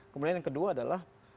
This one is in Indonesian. kemudian yang kedua adalah